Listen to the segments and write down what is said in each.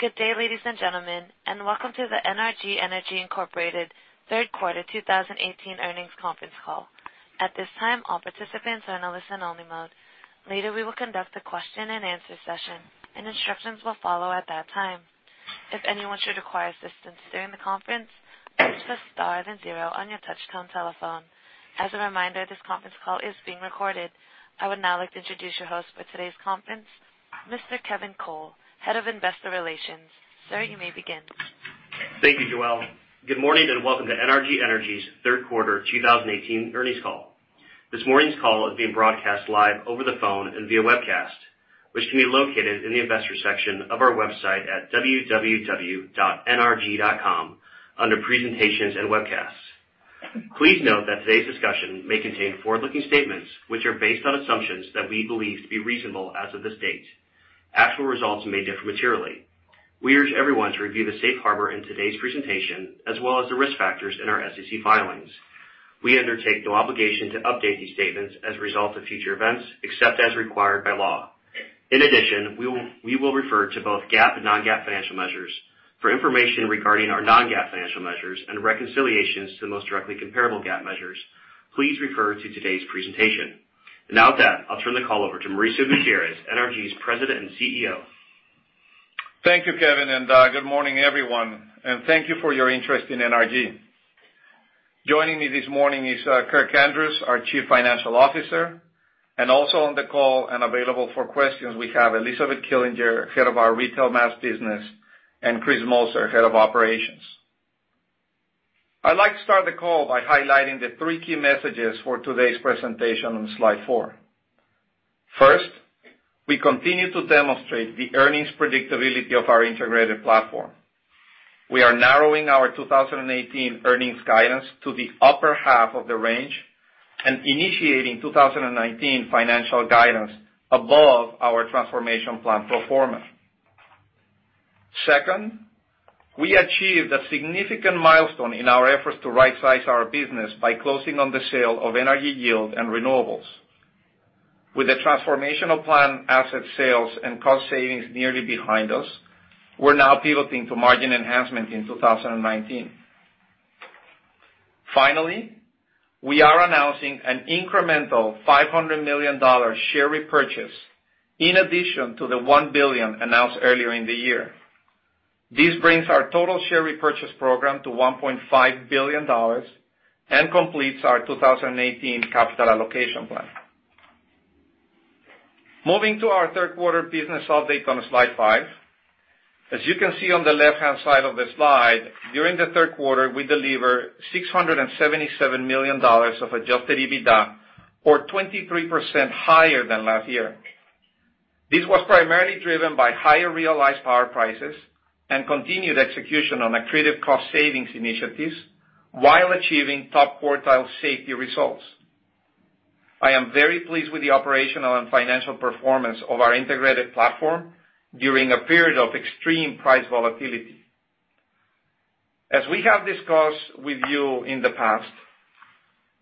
Good day, ladies and gentlemen, and welcome to the NRG Energy Incorporated third quarter 2018 earnings conference call. At this time, all participants are in a listen-only mode. Later, we will conduct a question and answer session, and instructions will follow at that time. If anyone should require assistance during the conference, press star then zero on your touch-tone telephone. As a reminder, this conference call is being recorded. I would now like to introduce your host for today's conference, Mr. Kevin Cole, Head of Investor Relations. Sir, you may begin. Thank you, Joelle. Good morning, and welcome to NRG Energy's third quarter 2018 earnings call. This morning's call is being broadcast live over the phone and via webcast, which can be located in the Investors section of our website at www.nrg.com, under Presentations and Webcasts. Please note that today's discussion may contain forward-looking statements, which are based on assumptions that we believe to be reasonable as of this date. Actual results may differ materially. We urge everyone to review the safe harbor in today's presentation, as well as the risk factors in our SEC filings. We undertake no obligation to update these statements as a result of future events, except as required by law. In addition, we will refer to both GAAP and non-GAAP financial measures. For information regarding our non-GAAP financial measures and reconciliations to the most directly comparable GAAP measures, please refer to today's presentation. With that, I'll turn the call over to Mauricio Gutierrez, NRG's President and CEO. Thank you, Kevin, and good morning, everyone, and thank you for your interest in NRG. Joining me this morning is Kirk Andrews, our Chief Financial Officer, and also on the call and available for questions, we have Elizabeth Killinger, Head of our Retail Mass business, and Chris Moser, Head of Operations. I'd like to start the call by highlighting the three key messages for today's presentation on slide four. First, we continue to demonstrate the earnings predictability of our integrated platform. We are narrowing our 2018 earnings guidance to the upper half of the range and initiating 2019 financial guidance above our transformation plan performance. Second, we achieved a significant milestone in our efforts to right-size our business by closing on the sale of NRG Yield and Renewables. With the transformational plan asset sales and cost savings nearly behind us, we're now pivoting to margin enhancement in 2019. Finally, we are announcing an incremental $500 million share repurchase in addition to the $1 billion announced earlier in the year. This brings our total share repurchase program to $1.5 billion and completes our 2018 capital allocation plan. Moving to our third quarter business update on slide five. As you can see on the left-hand side of the slide, during the third quarter, we delivered $677 million of adjusted EBITDA, or 23% higher than last year. This was primarily driven by higher realized power prices and continued execution on accretive cost savings initiatives while achieving top-quartile safety results. I am very pleased with the operational and financial performance of our integrated platform during a period of extreme price volatility. As we have discussed with you in the past,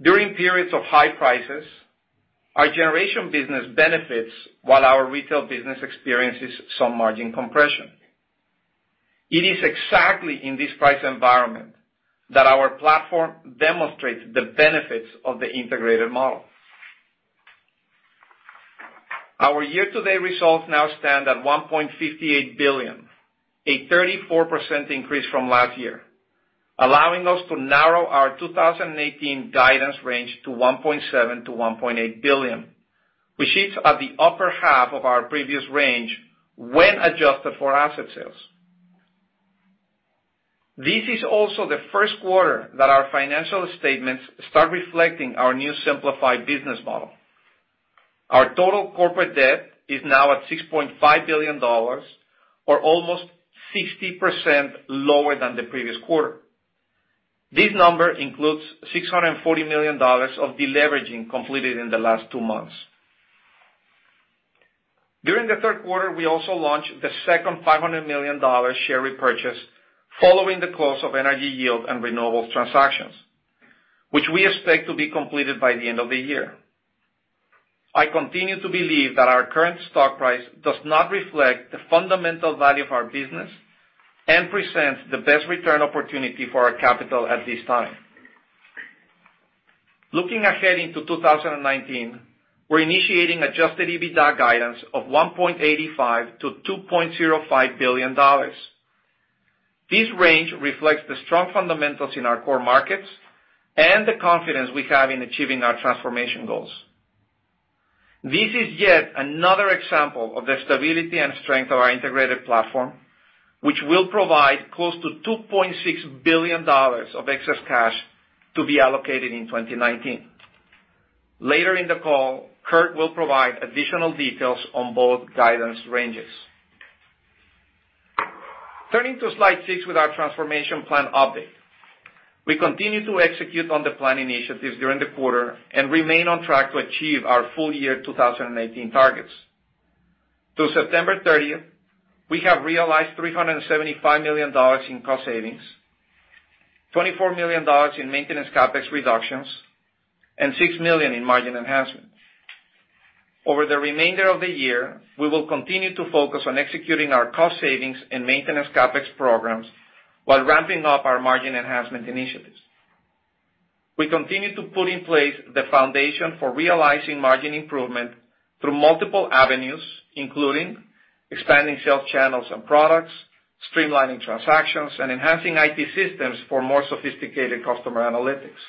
during periods of high prices, our generation business benefits while our retail business experiences some margin compression. It is exactly in this price environment that our platform demonstrates the benefits of the integrated model. Our year-to-date results now stand at $1.58 billion, a 34% increase from last year, allowing us to narrow our 2018 guidance range to $1.7 billion-$1.8 billion, which sits at the upper half of our previous range when adjusted for asset sales. This is also the first quarter that our financial statements start reflecting our new simplified business model. Our total corporate debt is now at $6.5 billion, or almost 60% lower than the previous quarter. This number includes $640 million of deleveraging completed in the last two months. During the third quarter, we also launched the second $500 million share repurchase following the close of NRG Yield and Renewables transactions, which we expect to be completed by the end of the year. I continue to believe that our current stock price does not reflect the fundamental value of our business and presents the best return opportunity for our capital at this time. Looking ahead into 2019, we're initiating adjusted EBITDA guidance of $1.85 billion-$2.05 billion. This range reflects the strong fundamentals in our core markets and the confidence we have in achieving our transformation goals. This is yet another example of the stability and strength of our integrated platform, which will provide close to $2.6 billion of excess cash to be allocated in 2019. Later in the call, Kirk will provide additional details on both guidance ranges. Turning to slide six with our transformation plan update. We continue to execute on the plan initiatives during the quarter and remain on track to achieve our full year 2019 targets. Through September 30th, we have realized $375 million in cost savings, $24 million in maintenance CapEx reductions, and $6 million in margin enhancement. Over the remainder of the year, we will continue to focus on executing our cost savings and maintenance CapEx programs while ramping up our margin enhancement initiatives. We continue to put in place the foundation for realizing margin improvement through multiple avenues, including expanding sales channels and products, streamlining transactions, and enhancing IT systems for more sophisticated customer analytics.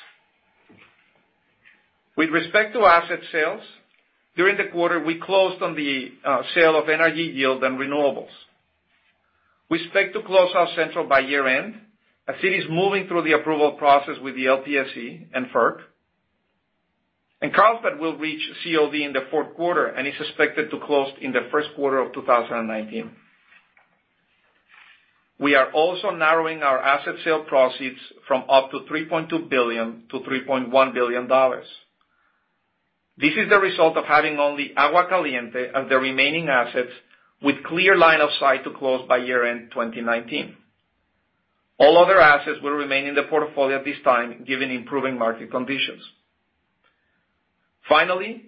With respect to asset sales, during the quarter, we closed on the sale of NRG Yield and Renewables. We expect to close South Central by year-end as it is moving through the approval process with the LPSC and FERC. Carlsbad will reach COD in the fourth quarter and is expected to close in the first quarter of 2019. We are also narrowing our asset sale proceeds from up to $3.2 billion to $3.1 billion. This is the result of having only Agua Caliente as the remaining assets with clear line of sight to close by year-end 2019. All other assets will remain in the portfolio at this time, given improving market conditions. Finally,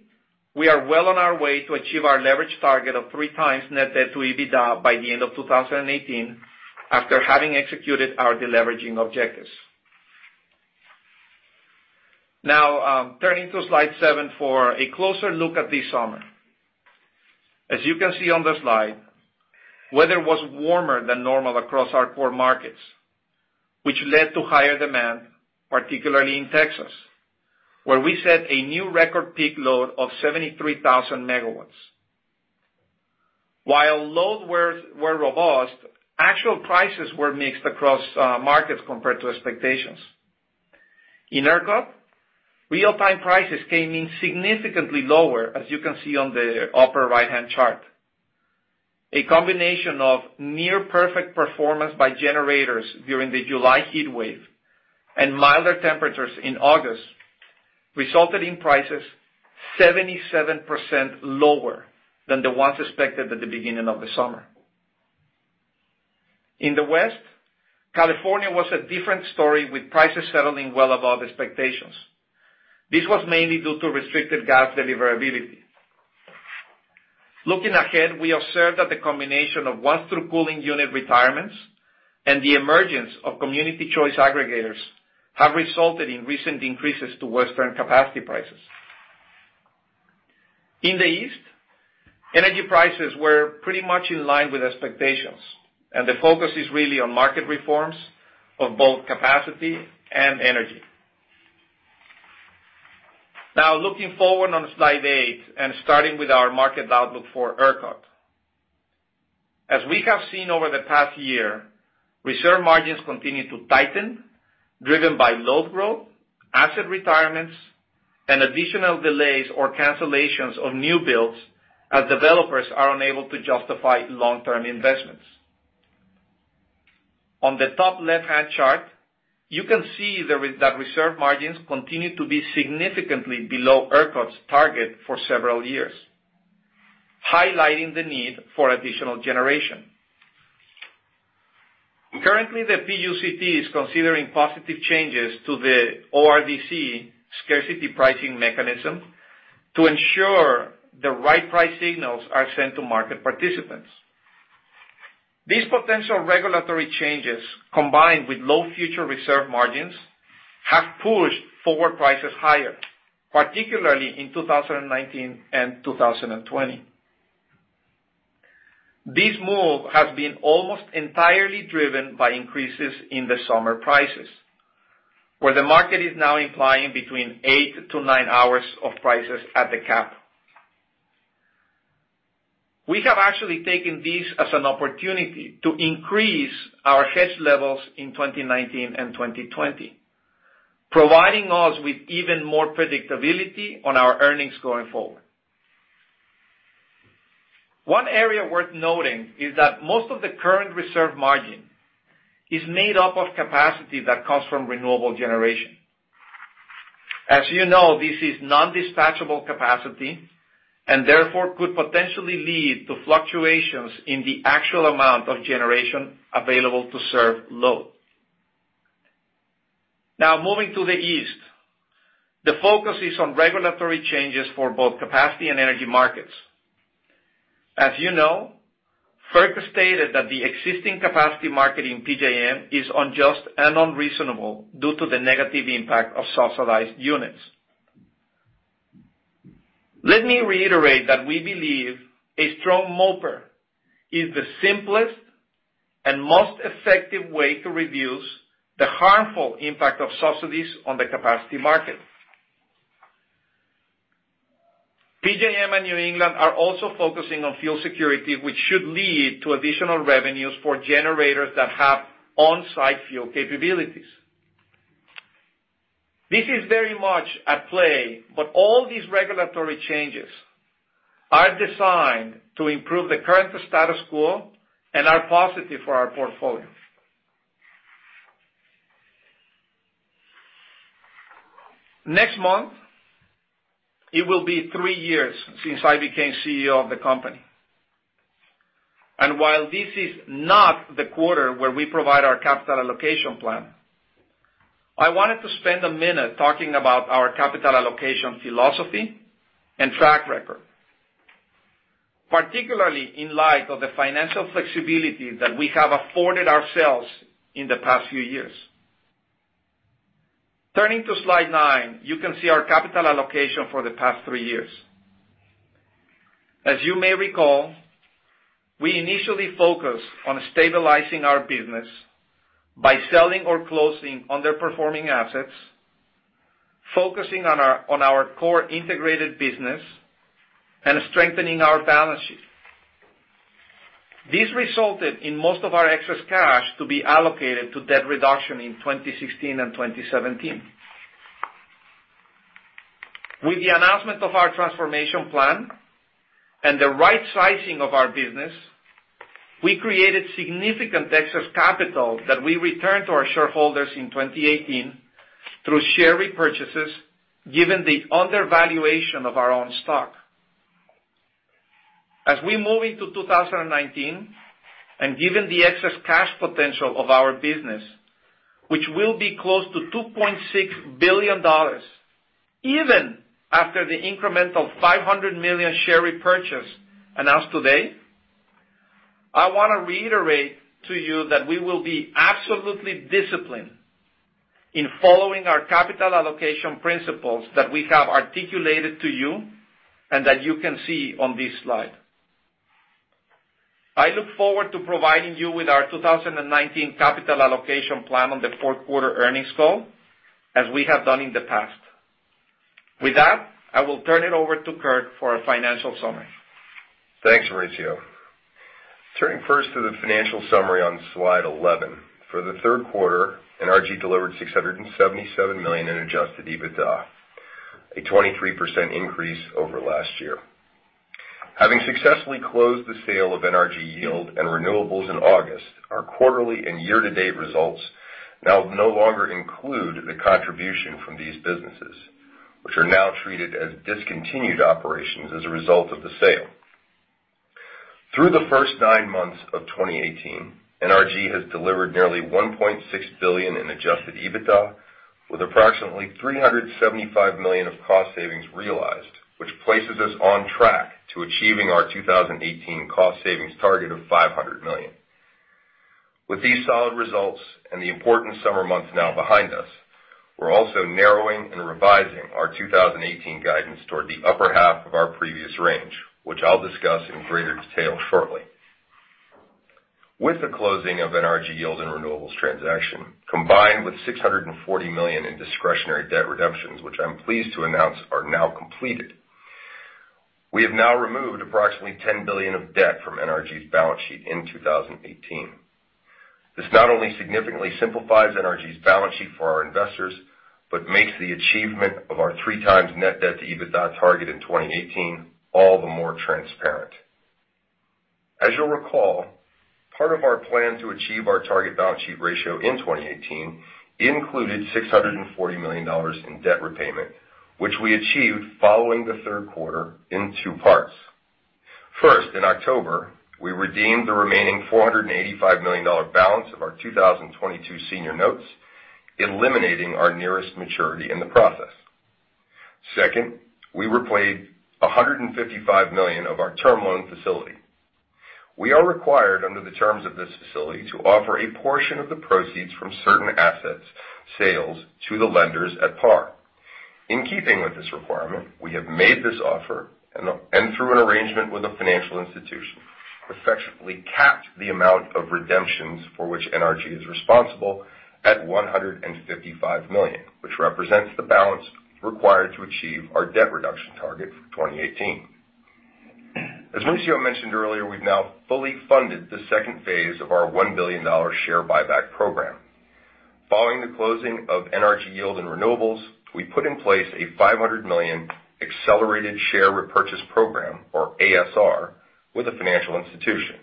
we are well on our way to achieve our leverage target of three times net debt to EBITDA by the end of 2018 after having executed our deleveraging objectives. Turning to slide seven for a closer look at this summer. As you can see on the slide, weather was warmer than normal across our core markets, which led to higher demand, particularly in Texas, where we set a new record peak load of 73,000 megawatts. While load were robust, actual prices were mixed across markets compared to expectations. In ERCOT, real-time prices came in significantly lower as you can see on the upper right-hand chart. A combination of near perfect performance by generators during the July heat wave and milder temperatures in August resulted in prices 77% lower than the ones expected at the beginning of the summer. In the West, California was a different story with prices settling well above expectations. This was mainly due to restricted gas deliverability. Looking ahead, we observed that the combination of once-through cooling unit retirements and the emergence of community choice aggregators have resulted in recent increases to Western capacity prices. In the East, energy prices were pretty much in line with expectations. The focus is really on market reforms of both capacity and energy. Looking forward on slide eight and starting with our market outlook for ERCOT. As we have seen over the past year, reserve margins continue to tighten, driven by load growth, asset retirements, and additional delays or cancellations of new builds as developers are unable to justify long-term investments. On the top left-hand chart, you can see that reserve margins continue to be significantly below ERCOT's target for several years, highlighting the need for additional generation. Currently, the PUCT is considering positive changes to the ORDC scarcity pricing mechanism to ensure the right price signals are sent to market participants. These potential regulatory changes, combined with low future reserve margins, have pushed forward prices higher, particularly in 2019 and 2020. This move has been almost entirely driven by increases in the summer prices, where the market is now implying between eight to nine hours of prices at the cap. We have actually taken this as an opportunity to increase our hedge levels in 2019 and 2020, providing us with even more predictability on our earnings going forward. One area worth noting is that most of the current reserve margin is made up of capacity that comes from renewable generation. As you know, this is non-dispatchable capacity. Therefore could potentially lead to fluctuations in the actual amount of generation available to serve load. Moving to the East, the focus is on regulatory changes for both capacity and energy markets. As you know, FERC stated that the existing capacity market in PJM is unjust and unreasonable due to the negative impact of subsidized units. Let me reiterate that we believe a strong MOPR is the simplest and most effective way to reduce the harmful impact of subsidies on the capacity market. PJM and New England are also focusing on fuel security, which should lead to additional revenues for generators that have on-site fuel capabilities. This is very much at play, all these regulatory changes are designed to improve the current status quo and are positive for our portfolio. Next month, it will be three years since I became CEO of the company. While this is not the quarter where we provide our capital allocation plan, I wanted to spend a minute talking about our capital allocation philosophy and track record, particularly in light of the financial flexibility that we have afforded ourselves in the past few years. Turning to slide nine, you can see our capital allocation for the past three years. As you may recall, we initially focused on stabilizing our business by selling or closing underperforming assets, focusing on our core integrated business, and strengthening our balance sheet. This resulted in most of our excess cash to be allocated to debt reduction in 2016 and 2017. With the announcement of our transformation plan and the right sizing of our business, we created significant excess capital that we returned to our shareholders in 2018 through share repurchases, given the undervaluation of our own stock. As we move into 2019, given the excess cash potential of our business, which will be close to $2.6 billion, even after the incremental $500 million share repurchase announced today, I want to reiterate to you that we will be absolutely disciplined in following our capital allocation principles that we have articulated to you, and that you can see on this slide. I look forward to providing you with our 2019 capital allocation plan on the fourth quarter earnings call, as we have done in the past. With that, I will turn it over to Kirk for our financial summary. Thanks, Mauricio. Turning first to the financial summary on slide 11. For the third quarter, NRG delivered $677 million in adjusted EBITDA, a 23% increase over last year. Having successfully closed the sale of NRG Yield and Renewables in August, our quarterly and year-to-date results now no longer include the contribution from these businesses, which are now treated as discontinued operations as a result of the sale. Through the first nine months of 2018, NRG has delivered nearly $1.6 billion in adjusted EBITDA with approximately $375 million of cost savings realized, which places us on track to achieving our 2018 cost savings target of $500 million. With these solid results and the important summer months now behind us, we're also narrowing and revising our 2018 guidance toward the upper half of our previous range, which I'll discuss in greater detail shortly. With the closing of NRG Yield and Renewables transaction, combined with $640 million in discretionary debt redemptions, which I'm pleased to announce are now completed, we have now removed approximately $10 billion of debt from NRG's balance sheet in 2018. This not only significantly simplifies NRG's balance sheet for our investors, but makes the achievement of our three times net debt to EBITDA target in 2018 all the more transparent. As you'll recall, part of our plan to achieve our target balance sheet ratio in 2018 included $640 million in debt repayment, which we achieved following the third quarter in two parts. First, in October, we redeemed the remaining $485 million balance of our 2022 senior notes, eliminating our nearest maturity in the process. Second, we repaid $155 million of our term loan facility. We are required under the terms of this facility to offer a portion of the proceeds from certain asset sales to the lenders at par. In keeping with this requirement, we have made this offer, and through an arrangement with a financial institution, effectively capped the amount of redemptions for which NRG is responsible at $155 million, which represents the balance required to achieve our debt reduction target for 2018. As Mauricio mentioned earlier, we've now fully funded the second phase of our $1 billion share buyback program. Following the closing of NRG Yield and Renewables, we put in place a $500 million accelerated share repurchase program, or ASR, with a financial institution.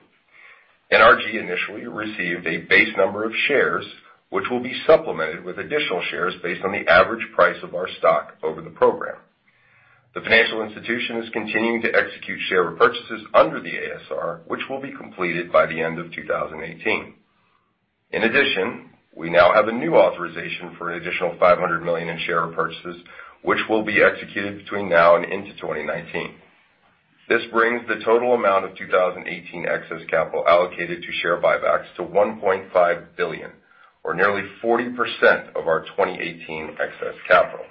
NRG initially received a base number of shares, which will be supplemented with additional shares based on the average price of our stock over the program. The financial institution is continuing to execute share repurchases under the ASR, which will be completed by the end of 2018. In addition, we now have a new authorization for an additional $500 million in share repurchases, which will be executed between now and into 2019. This brings the total amount of 2018 excess capital allocated to share buybacks to $1.5 billion, or nearly 40% of our 2018 excess capital.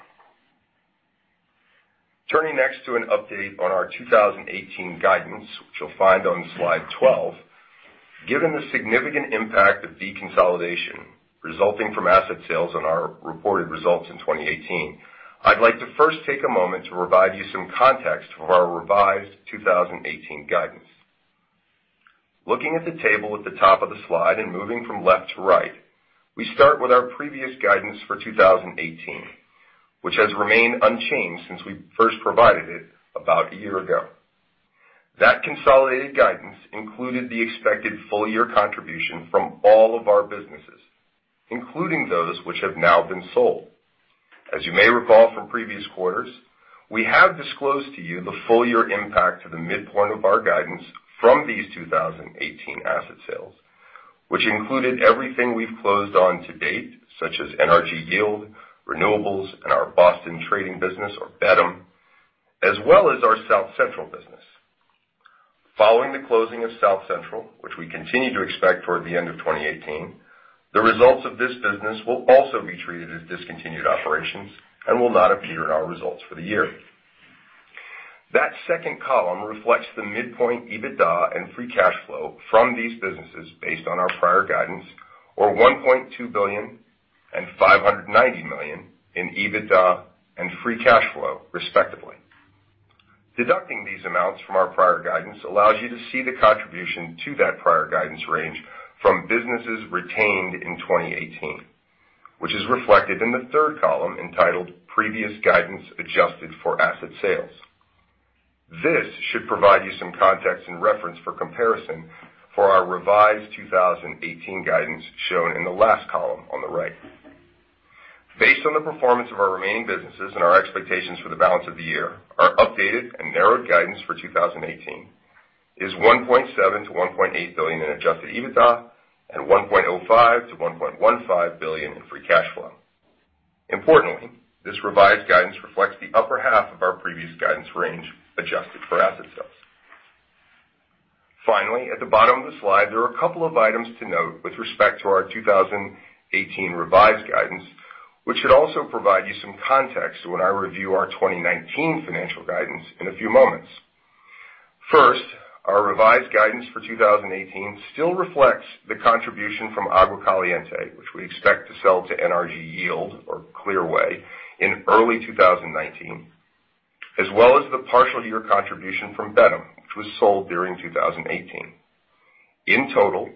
Turning next to an update on our 2018 guidance, which you'll find on slide 12. Given the significant impact of deconsolidation resulting from asset sales on our reported results in 2018, I'd like to first take a moment to provide you some context of our revised 2018 guidance. Looking at the table at the top of the slide and moving from left to right, we start with our previous guidance for 2018, which has remained unchanged since we first provided it about a year ago. That consolidated guidance included the expected full-year contribution from all of our businesses, including those which have now been sold. As you may recall from previous quarters, we have disclosed to you the full year impact to the midpoint of our guidance from these 2018 asset sales, which included everything we've closed on to date, such as NRG Yield, Renewables, and our Boston trading business, or BETM, as well as our South Central business. Following the closing of South Central, which we continue to expect toward the end of 2018, the results of this business will also be treated as discontinued operations and will not appear in our results for the year. That second column reflects the midpoint EBITDA and free cash flow from these businesses based on our prior guidance or $1.2 billion and $590 million in EBITDA and free cash flow, respectively. Deducting these amounts from our prior guidance allows you to see the contribution to that prior guidance range from businesses retained in 2018, which is reflected in the third column entitled Previous Guidance Adjusted for Asset Sales. This should provide you some context and reference for comparison for our revised 2018 guidance shown in the last column on the right. Based on the performance of our remaining businesses and our expectations for the balance of the year, our updated and narrowed guidance for 2018 is $1.7 billion-$1.8 billion in adjusted EBITDA and $1.05 billion-$1.15 billion in free cash flow. Importantly, this revised guidance reflects the upper half of our previous guidance range, adjusted for asset sales. Finally, at the bottom of the slide, there are a couple of items to note with respect to our 2018 revised guidance, which should also provide you some context when I review our 2019 financial guidance in a few moments. First, our revised guidance for 2018 still reflects the contribution from Agua Caliente, which we expect to sell to NRG Yield or Clearway in early 2019, as well as the partial year contribution from BETM, which was sold during 2018. In total,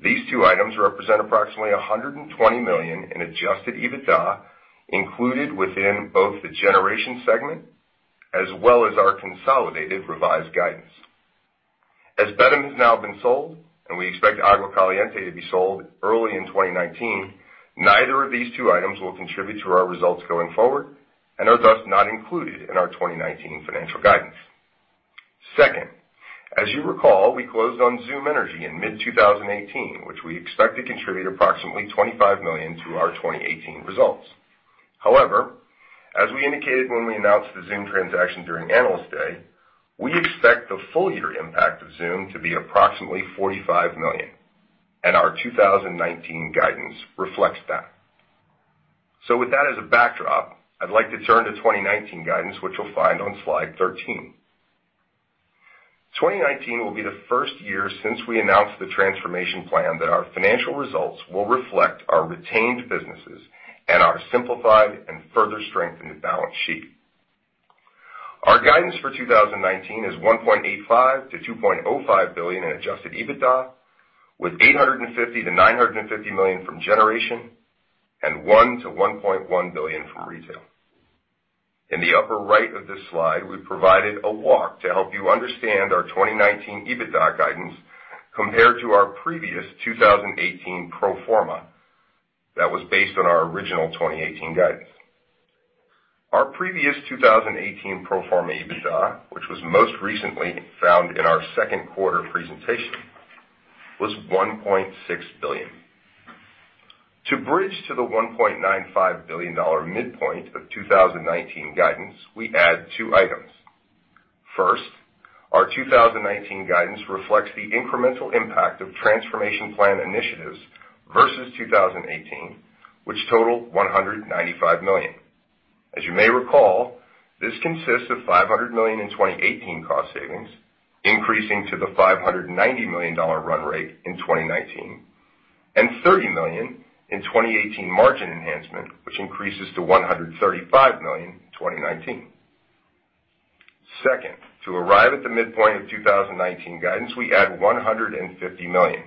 these two items represent approximately $120 million in adjusted EBITDA included within both the generation segment as well as our consolidated revised guidance. As BETM has now been sold, and we expect Agua Caliente to be sold early in 2019, neither of these two items will contribute to our results going forward and are thus not included in our 2019 financial guidance. Second, as you recall, we closed on XOOM Energy in mid-2018, which we expect to contribute approximately $25 million to our 2018 results. However, as we indicated when we announced the XOOM transaction during Analyst Day, we expect the full year impact of XOOM to be approximately $45 million, and our 2019 guidance reflects that. With that as a backdrop, I'd like to turn to 2019 guidance, which you'll find on slide 13. 2019 will be the first year since we announced the transformation plan that our financial results will reflect our retained businesses at our simplified and further strengthened balance sheet. Our guidance for 2019 is $1.85 billion-$2.05 billion in adjusted EBITDA, with $850 million-$950 million from generation and $1 billion-$1.1 billion from retail. In the upper right of this slide, we've provided a walk to help you understand our 2019 EBITDA guidance compared to our previous 2018 pro forma that was based on our original 2018 guidance. Our previous 2018 pro forma EBITDA, which was most recently found in our second quarter presentation, was $1.6 billion. To bridge to the $1.95 billion midpoint of 2019 guidance, we add two items. First, our 2019 guidance reflects the incremental impact of transformation plan initiatives versus 2018, which total $195 million. As you may recall, this consists of $500 million in 2018 cost savings, increasing to the $590 million run rate in 2019, and $30 million in 2018 margin enhancement, which increases to $135 million in 2019. Second, to arrive at the midpoint of 2019 guidance, we add $150 million,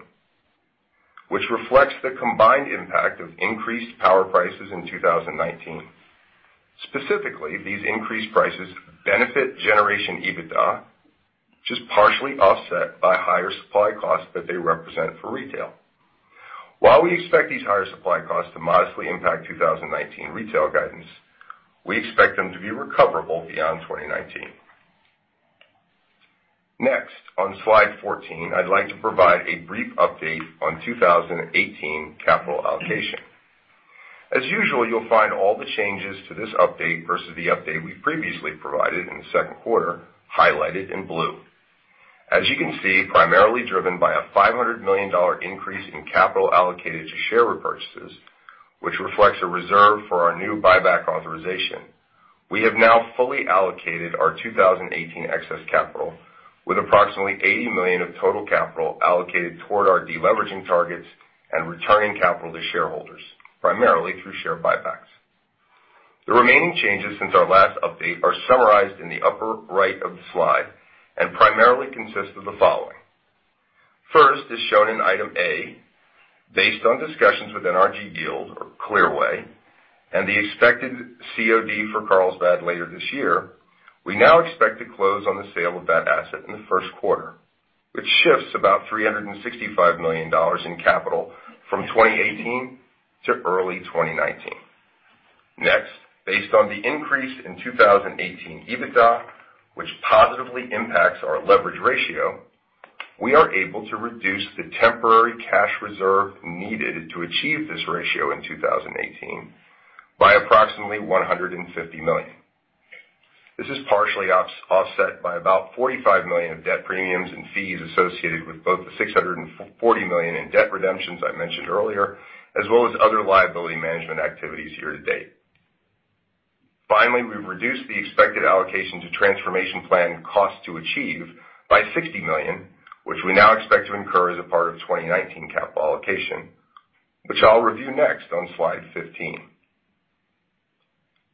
which reflects the combined impact of increased power prices in 2019. Specifically, these increased prices benefit generation EBITDA, which is partially offset by higher supply costs that they represent for retail. While we expect these higher supply costs to modestly impact 2019 retail guidance, we expect them to be recoverable beyond 2019. Next, on slide 14, I'd like to provide a brief update on 2018 capital allocation. As usual, you'll find all the changes to this update versus the update we previously provided in the second quarter highlighted in blue. As you can see, primarily driven by a $500 million increase in capital allocated to share repurchases, which reflects a reserve for our new buyback authorization. We have now fully allocated our 2018 excess capital with approximately $80 million of total capital allocated toward our deleveraging targets and returning capital to shareholders, primarily through share buybacks. The remaining changes since our last update are summarized in the upper right of the slide and primarily consist of the following. First is shown in item A. Based on discussions with NRG Yield or Clearway and the expected COD for Carlsbad later this year, we now expect to close on the sale of that asset in the first quarter, which shifts about $365 million in capital from 2018 to early 2019. Next, based on the increase in 2018 EBITDA, which positively impacts our leverage ratio, we are able to reduce the temporary cash reserve needed to achieve this ratio in 2018 by approximately $150 million. This is partially offset by about $45 million of debt premiums and fees associated with both the $640 million in debt redemptions I mentioned earlier, as well as other liability management activities year to date. Finally, we've reduced the expected allocation to transformation plan cost to achieve by $60 million, which we now expect to incur as a part of 2019 capital allocation, which I'll review next on slide 15.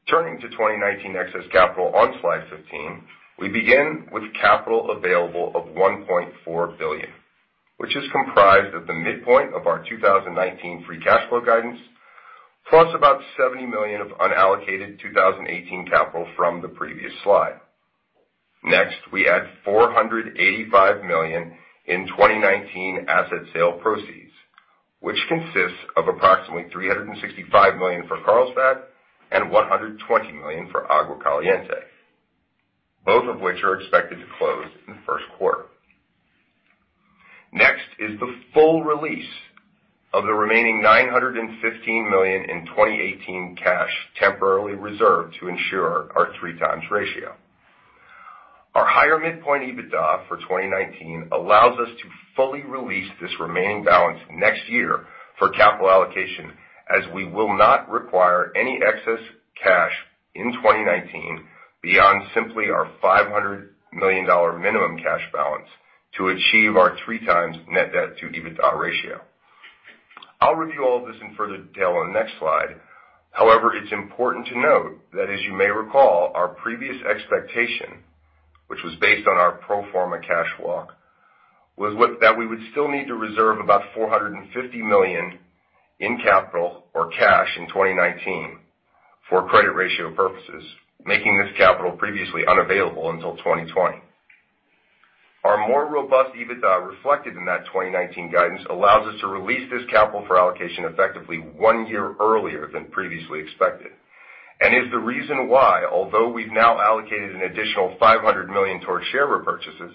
Turning to 2019 excess capital on slide 15, we begin with capital available of $1.4 billion, which is comprised of the midpoint of our 2019 free cash flow guidance, plus about $70 million of unallocated 2018 capital from the previous slide. Next, we add $485 million in 2019 asset sale proceeds, which consists of approximately $365 million for Carlsbad and $120 million for Agua Caliente, both of which are expected to close in the first quarter. Next is the full release of the remaining $915 million in 2018 cash temporarily reserved to ensure our three times ratio. Our higher midpoint EBITDA for 2019 allows us to fully release this remaining balance next year for capital allocation, as we will not require any excess cash in 2019 beyond simply our $500 million minimum cash balance to achieve our three times net debt to EBITDA ratio. I'll review all of this in further detail on the next slide. However, it's important to note that, as you may recall, our previous expectation, which was based on our pro forma cash walk, was that we would still need to reserve about $450 million in capital or cash in 2019 for credit ratio purposes, making this capital previously unavailable until 2020. Our more robust EBITDA reflected in that 2019 guidance allows us to release this capital for allocation effectively one year earlier than previously expected, and is the reason why, although we've now allocated an additional $500 million towards share repurchases,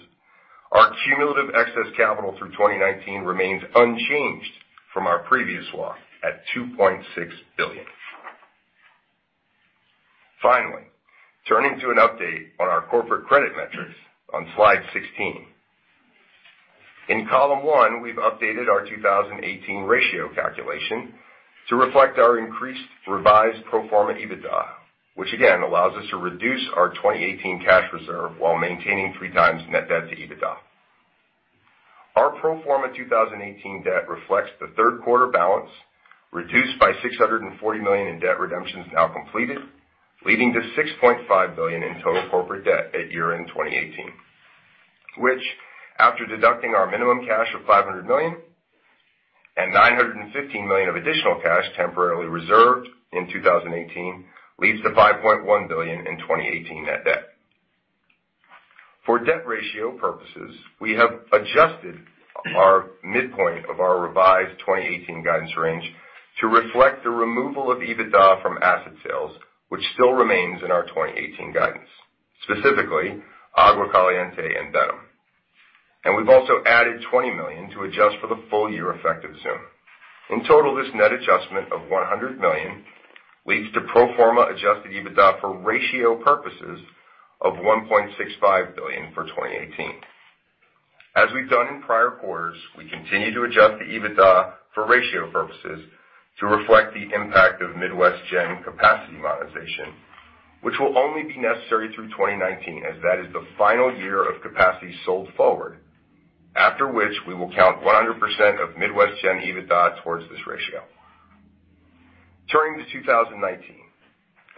our cumulative excess capital through 2019 remains unchanged from our previous walk at $2.6 billion. Finally, turning to an update on our corporate credit metrics on slide 16. In column one, we've updated our 2018 ratio calculation to reflect our increased revised pro forma EBITDA, which again allows us to reduce our 2018 cash reserve while maintaining three times net debt to EBITDA. Our pro forma 2018 debt reflects the third quarter balance, reduced by $640 million in debt redemptions now completed, leading to $6.5 billion in total corporate debt at year-end 2018. Which, after deducting our minimum cash of $500 million and $915 million of additional cash temporarily reserved in 2018, leads to $5.1 billion in 2018 net debt. For debt ratio purposes, we have adjusted our midpoint of our revised 2018 guidance range to reflect the removal of EBITDA from asset sales, which still remains in our 2018 guidance, specifically Agua Caliente and BETM. We've also added $20 million to adjust for the full year effect of XOOM. In total, this net adjustment of $100 million leads to pro forma adjusted EBITDA for ratio purposes of $1.65 billion for 2018. As we've done in prior quarters, we continue to adjust the EBITDA for ratio purposes to reflect the impact of Midwest Gen capacity monetization, which will only be necessary through 2019 as that is the final year of capacity sold forward. After which, we will count 100% of Midwest Gen EBITDA towards this ratio. Turning to 2019.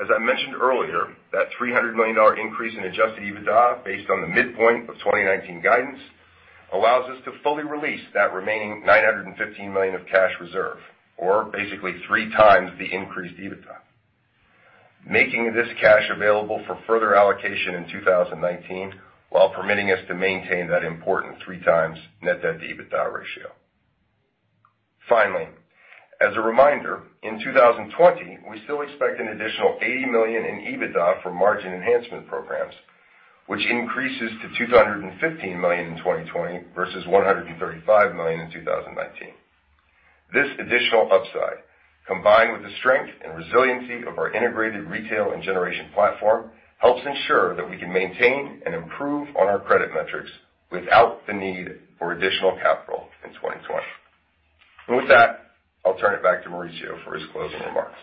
As I mentioned earlier, that $300 million increase in adjusted EBITDA based on the midpoint of 2019 guidance allows us to fully release that remaining $915 million of cash reserve, or basically three times the increased EBITDA. Making this cash available for further allocation in 2019 while permitting us to maintain that important three times net debt to EBITDA ratio. Finally, as a reminder, in 2020, we still expect an additional $80 million in EBITDA from margin enhancement programs, which increases to $215 million in 2020 versus $135 million in 2019. This additional upside, combined with the strength and resiliency of our integrated retail and generation platform, helps ensure that we can maintain and improve on our credit metrics without the need for additional capital in 2020. With that, I'll turn it back to Mauricio for his closing remarks.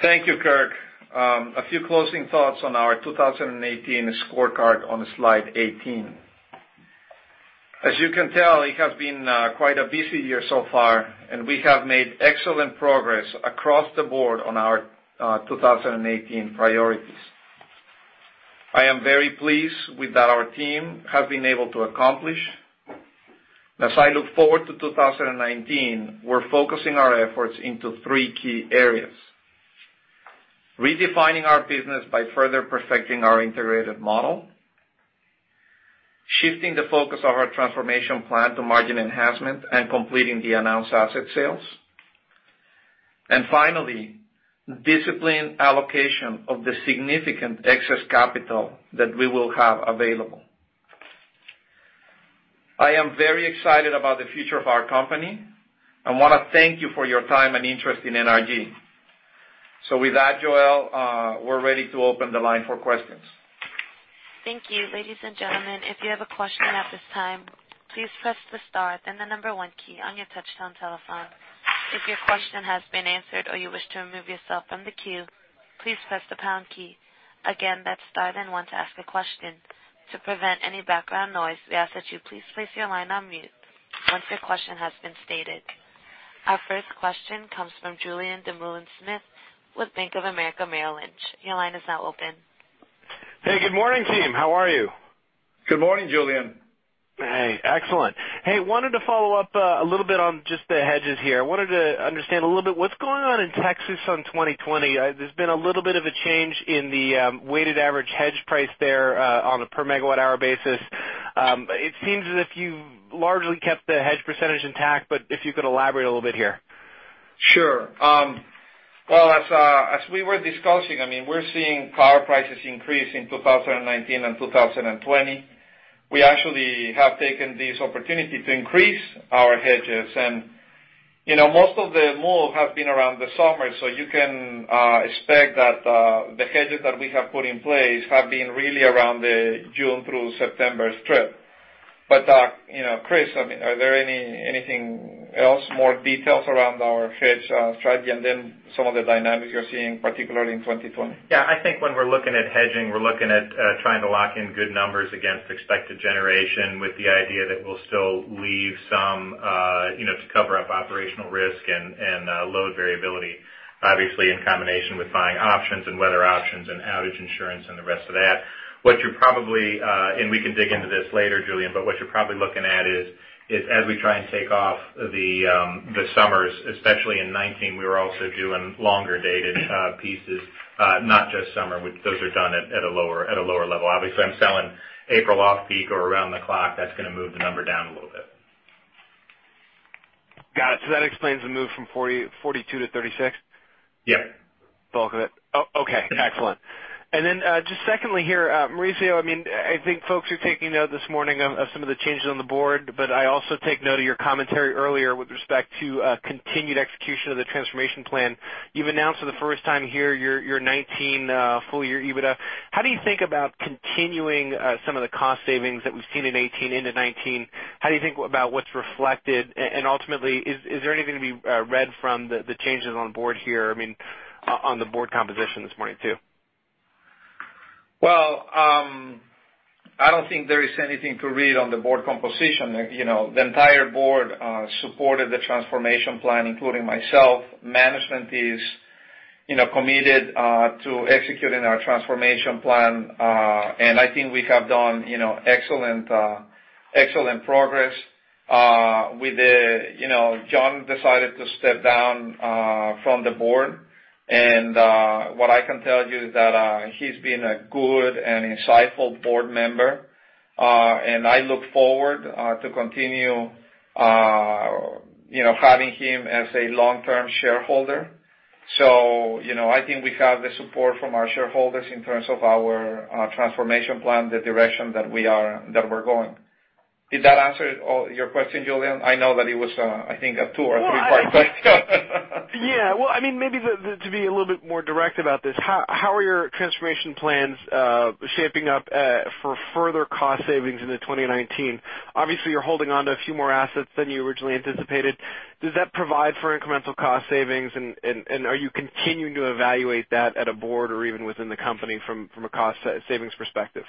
Thank you, Kirk. A few closing thoughts on our 2018 scorecard on slide 18. As you can tell, it has been quite a busy year so far, and we have made excellent progress across the board on our 2018 priorities. I am very pleased with what our team has been able to accomplish. As I look forward to 2019, we're focusing our efforts into three key areas: redefining our business by further perfecting our integrated model, shifting the focus of our transformation plan to margin enhancement and completing the announced asset sales, and finally, disciplined allocation of the significant excess capital that we will have available. I am very excited about the future of our company and want to thank you for your time and interest in NRG. With that, Joelle, we're ready to open the line for questions. Thank you. Ladies and gentlemen, if you have a question at this time, please press the star then the number one key on your touchtone telephone. If your question has been answered or you wish to remove yourself from the queue, please press the pound key. Again, that's star then one to ask a question. To prevent any background noise, we ask that you please place your line on mute once your question has been stated. Our first question comes from Julien Dumoulin-Smith with Bank of America Merrill Lynch. Your line is now open. Hey, good morning, team. How are you? Good morning, Julien. Excellent. I wanted to follow up a little bit on just the hedges here. I wanted to understand a little bit what's going on in Texas in 2020. There's been a little bit of a change in the weighted average hedge price there, on a per megawatt-hour basis. It seems as if you largely kept the hedge percentage intact, if you could elaborate a little bit here. Sure. Well, as we were discussing, we're seeing power prices increase in 2019 and 2020. We actually have taken this opportunity to increase our hedges. Most of the move has been around the summer, you can expect that the hedges that we have put in place have been really around the June through September strip. Chris, is there anything else, more details around our hedge strategy and then some of the dynamics you're seeing, particularly in 2020? Yeah, I think when we're looking at hedging, we're looking at trying to lock in good numbers against expected generation with the idea that we'll still leave some to cover up operational risk and load variability. Obviously, in combination with buying options and weather options and outage insurance and the rest of that. We can dig into this later, Julien, what you're probably looking at is as we try and take off the summers, especially in 2019, we were also doing longer-dated pieces, not just summer. Those are done at a lower level. Obviously, I'm selling April off-peak or around the clock. That's going to move the number down a little bit. Got it. That explains the move from $42 to $36? Yep. Bulk of it. Okay. Excellent. Just secondly here, Mauricio, I think folks are taking note this morning of some of the changes on the board, but I also take note of your commentary earlier with respect to continued execution of the transformation plan. You've announced for the first time here your 2019 full year EBITDA. How do you think about continuing some of the cost savings that we've seen in 2018 into 2019? How do you think about what's reflected? Ultimately, is there anything to be read from the changes on board here, on the board composition this morning, too? I don't think there is anything to read on the board composition. The entire board supported the transformation plan, including myself. Management is committed to executing our transformation plan. I think we have done excellent progress. John decided to step down from the board, what I can tell you is that he's been a good and insightful board member. I look forward to continue having him as a long-term shareholder. I think we have the support from our shareholders in terms of our transformation plan, the direction that we're going. Did that answer your question, Julien? I know that it was, I think a two or three-part question. Maybe to be a little bit more direct about this, how are your transformation plans shaping up for further cost savings into 2019? Obviously, you're holding onto a few more assets than you originally anticipated. Does that provide for incremental cost savings? Are you continuing to evaluate that at a board or even within the company from a cost savings perspective?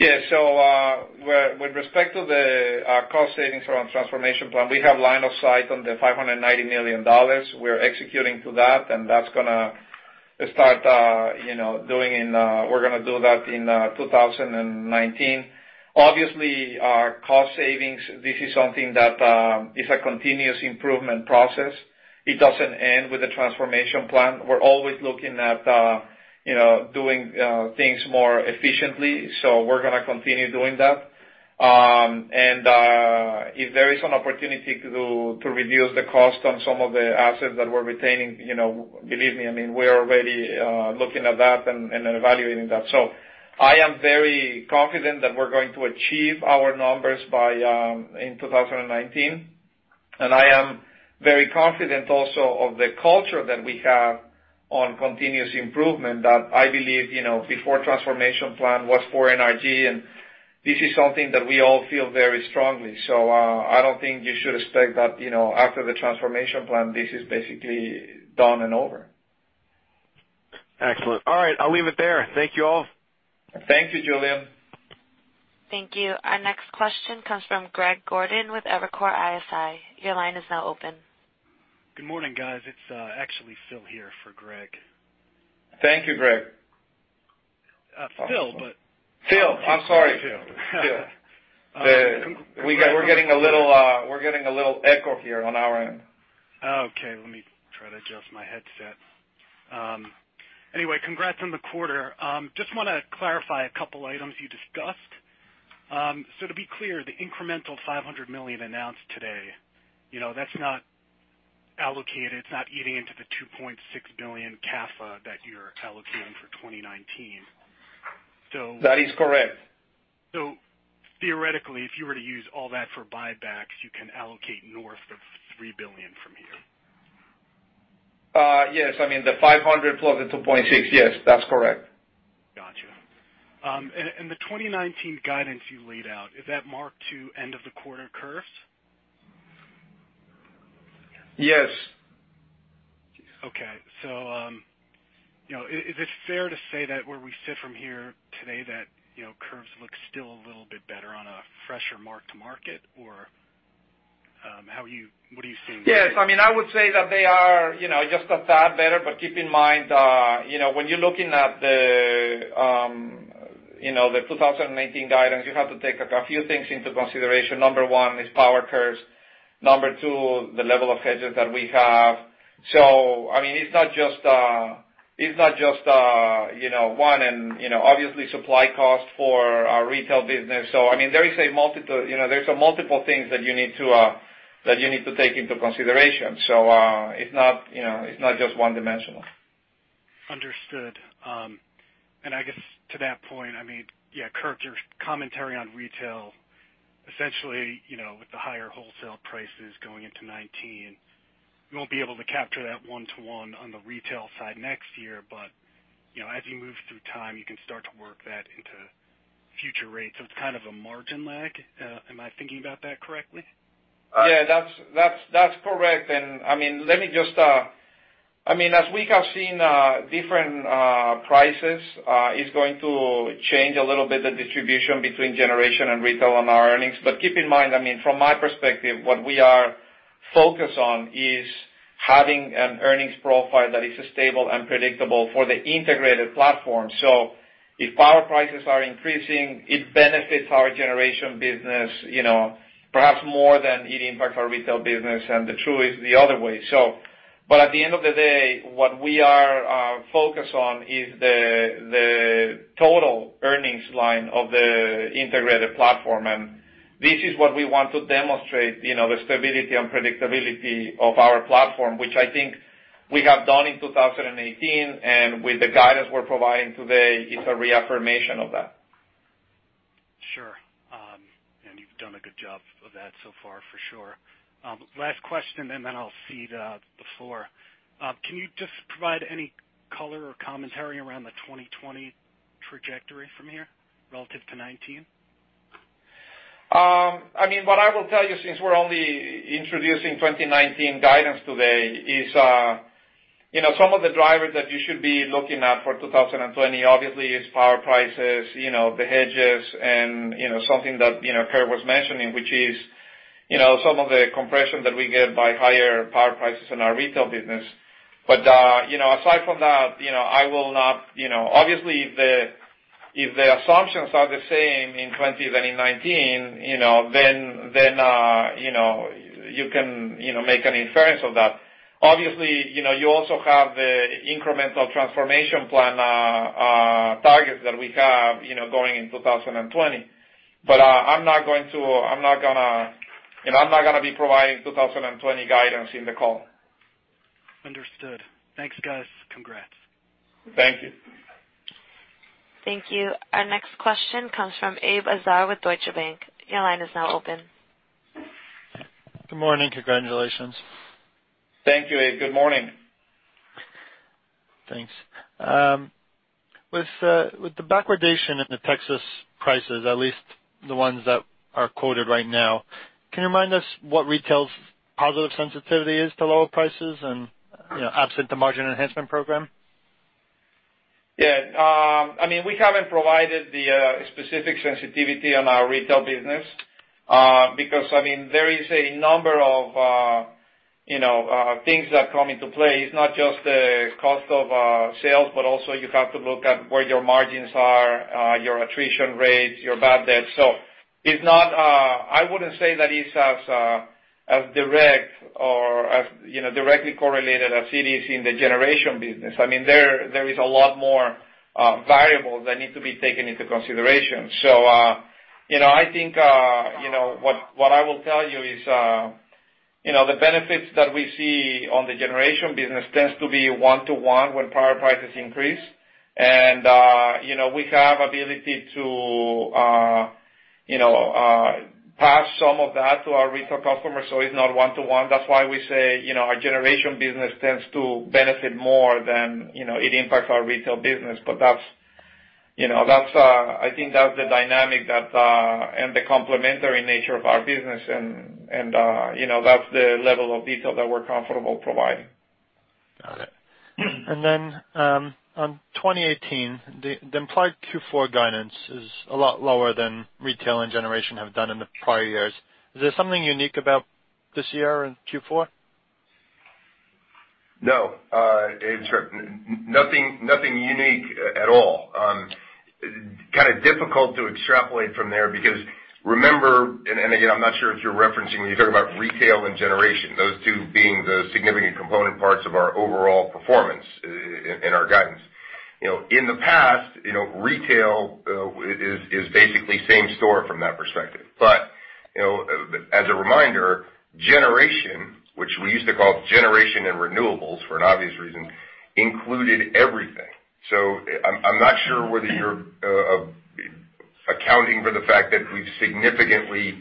With respect to the cost savings around transformation plan, we have line of sight on the $590 million. We're executing to that. We're going to do that in 2019. Obviously, our cost savings, this is something that is a continuous improvement process. It doesn't end with the transformation plan. We're always looking at doing things more efficiently. We're going to continue doing that. If there is an opportunity to reduce the cost on some of the assets that we're retaining, believe me, we are already looking at that and evaluating that. I am very confident that we're going to achieve our numbers in 2019. I am very confident also of the culture that we have on continuous improvement, that I believe before transformation plan was for NRG, this is something that we all feel very strongly. I don't think you should expect that after the transformation plan, this is basically done and over. Excellent. All right, I'll leave it there. Thank you all. Thank you, Julien. Thank you. Our next question comes from Greg Gordon with Evercore ISI. Your line is now open. Good morning, guys. It's actually Phil here for Greg. Thank you, Greg. Phil, Phil, I'm sorry. Phil. We're getting a little echo here on our end. Okay, let me try to adjust my headset. Anyway, congrats on the quarter. Just want to clarify a couple items you discussed. To be clear, the incremental $500 million announced today, that's not allocated, it's not eating into the $2.6 billion capital that you're allocating for 2019. That is correct. Theoretically, if you were to use all that for buybacks, you can allocate north of $3 billion from here. Yes. I mean, the $500 plus the $2.6. Yes, that's correct. Got you. The 2019 guidance you laid out, is that marked to end of the quarter curves? Yes. Okay. Is it fair to say that where we sit from here today that curves look still a little bit better on a fresher mark-to-market or what are you seeing there? Yes. I would say that they are just a tad better. Keep in mind, when you're looking at the 2019 guidance, you have to take a few things into consideration. Number one is power curves. Number two, the level of hedges that we have. It's not just one and obviously supply cost for our retail business. There are multiple things that you need to take into consideration. It's not just one-dimensional. Understood. I guess to that point, yeah, Kirk, your commentary on retail, essentially, with the higher wholesale prices going into 2019, you won't be able to capture that one-to-one on the retail side next year. As you move through time, you can start to work that into future rates. It's kind of a margin lag. Am I thinking about that correctly? Yeah. That's correct. As we have seen, different prices is going to change a little bit the distribution between generation and retail on our earnings. Keep in mind, from my perspective, what we are focused on is having an earnings profile that is stable and predictable for the integrated platform. If power prices are increasing, it benefits our generation business perhaps more than it impacts our retail business, and the truth is the other way. At the end of the day, what we are focused on is the total earnings line of the integrated platform. This is what we want to demonstrate, the stability and predictability of our platform, which I think we have done in 2018. With the guidance we're providing today, it's a reaffirmation of that. Sure. You've done a good job of that so far for sure. Last question, and then I'll cede the floor. Can you just provide any color or commentary around the 2020 trajectory from here relative to 2019? What I will tell you, since we're only introducing 2019 guidance today, is some of the drivers that you should be looking at for 2020 obviously is power prices, the hedges, and something that Kirk was mentioning, which is some of the compression that we get by higher power prices in our retail business. Aside from that, obviously if the assumptions are the same in 2020 than in 2019, you can make an inference of that. Obviously, you also have the incremental transformation plan targets that we have going in 2020. I'm not going to be providing 2020 guidance in the call. Understood. Thanks, guys. Congrats. Thank you. Thank you. Our next question comes from Abe Azar with Deutsche Bank. Your line is now open. Good morning. Congratulations. Thank you, Abe. Good morning. Thanks. With the backwardation in the Texas prices, at least the ones that are quoted right now, can you remind us what retail's positive sensitivity is to lower prices and absent the margin enhancement program? Yeah. We haven't provided the specific sensitivity on our retail business, because there is a number of things that come into play. It's not just the cost of sales, but also you have to look at where your margins are, your attrition rates, your bad debt. I wouldn't say that it's as directly correlated as it is in the generation business. There is a lot more variables that need to be taken into consideration. I think, what I will tell you is, the benefits that we see on the generation business tends to be one-to-one when power prices increase. We have ability to pass some of that to our retail customers, it's not one-to-one. That's why we say our generation business tends to benefit more than it impacts our retail business. I think that's the dynamic and the complementary nature of our business, That's the level of detail that we're comfortable providing. Got it. Then on 2018, the implied Q4 guidance is a lot lower than retail and generation have done in the prior years. Is there something unique about this year in Q4? No. Sure. Nothing unique at all. Kind of difficult to extrapolate from there because remember, and again, I'm not sure if you're referencing when you talk about retail and generation, those two being the significant component parts of our overall performance in our guidance. In the past, retail is basically same store from that perspective. As a reminder, generation, which we used to call generation and renewables for an obvious reason, included everything. I'm not sure whether you're accounting for the fact that we've significantly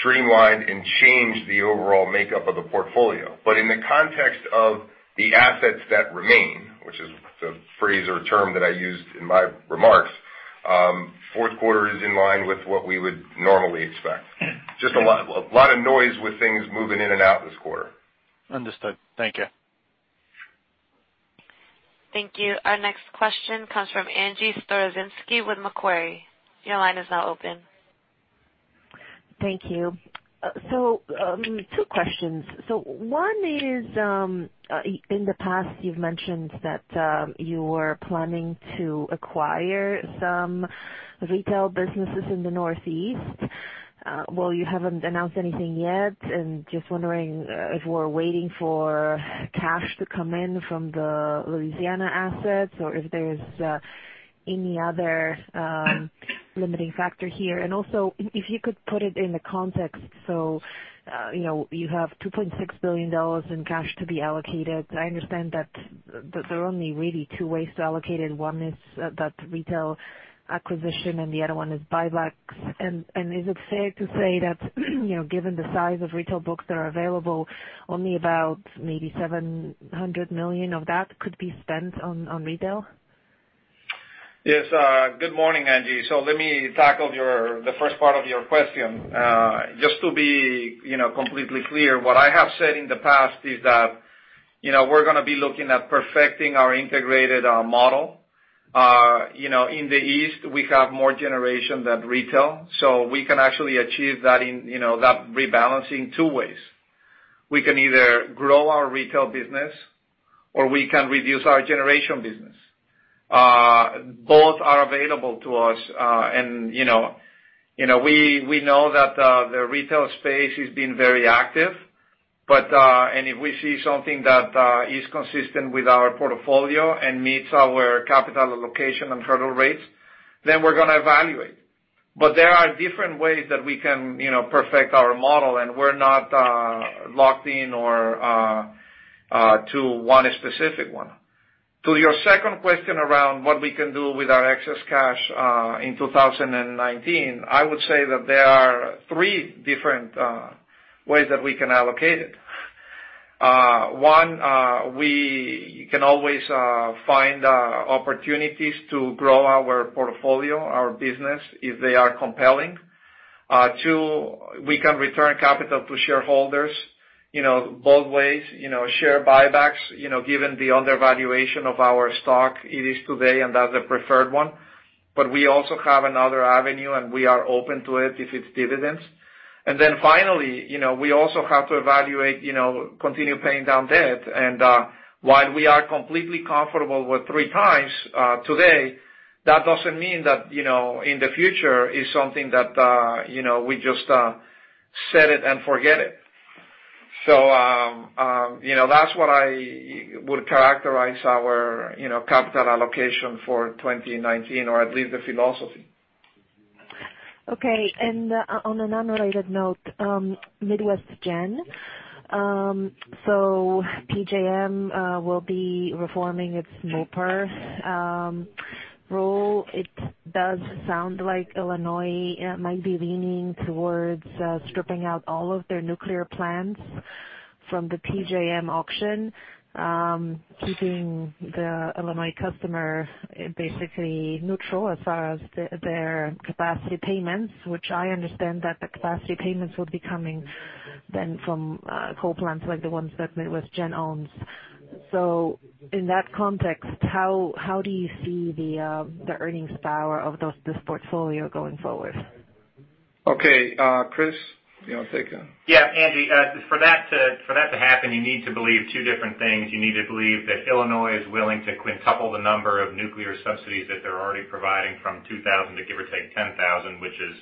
streamlined and changed the overall makeup of the portfolio. In the context of the assets that remain, which is the phrase or term that I used in my remarks, fourth quarter is in line with what we would normally expect. Just a lot of noise with things moving in and out this quarter. Understood. Thank you. Thank you. Our next question comes from Angie Storozynski with Macquarie. Your line is now open. Thank you. Two questions. One is, in the past, you've mentioned that you were planning to acquire some retail businesses in the Northeast. Well, you haven't announced anything yet, and just wondering if we're waiting for cash to come in from the Louisiana assets or if there's any other limiting factor here. Also, if you could put it in the context, you have $2.6 billion in cash to be allocated. I understand that there are only really two ways to allocate it. One is that retail acquisition, and the other one is buybacks. Is it fair to say that given the size of retail books that are available, only about maybe $700 million of that could be spent on retail? Yes. Good morning, Angie. Let me tackle the first part of your question. Just to be completely clear, what I have said in the past is that we're going to be looking at perfecting our integrated model. In the East, we have more generation than retail, so we can actually achieve that rebalance in two ways. We can either grow our retail business or we can reduce our generation business. Both are available to us. We know that the retail space has been very active, and if we see something that is consistent with our portfolio and meets our capital allocation and hurdle rates, then we're going to evaluate. There are different ways that we can perfect our model, and we're not locked in to one specific one. To your second question around what we can do with our excess cash in 2019, I would say that there are three different ways that we can allocate it. One, we can always find opportunities to grow our portfolio, our business, if they are compelling. Two, we can return capital to shareholders both ways, share buybacks, given the undervaluation of our stock it is today, and that's the preferred one. We also have another avenue, and we are open to it if it's dividends. Finally, we also have to evaluate continuing paying down debt. While we are completely comfortable with three times today, that doesn't mean that in the future it's something that we just set it and forget it. That's what I would characterize our capital allocation for 2019, or at least the philosophy. Okay. On an unrelated note, Midwest Generation. PJM will be reforming its MOPR rule. It does sound like Illinois might be leaning towards stripping out all of their nuclear plants from the PJM auction, keeping the Illinois customer basically neutral as far as their capacity payments, which I understand that the capacity payments would be coming then from coal plants like the ones that Midwest Generation owns. In that context, how do you see the earnings power of this portfolio going forward? Okay. Chris, you want to take that? Yeah, Angie. For that to happen, you need to believe two different things. You need to believe that Illinois is willing to quintuple the number of nuclear subsidies that they're already providing from two thousand to give or take 10,000, which is